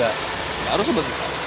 ini juga baru sebetulnya